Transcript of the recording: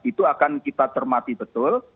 itu akan kita cermati betul